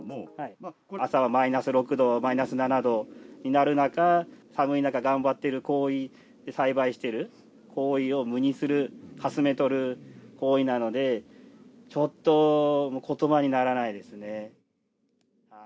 朝はマイナス６度、マイナス７度になる中、寒い中、頑張っている行為、栽培している行為を無にする、かすめとる行為なので、ちょっとことばにならないですね。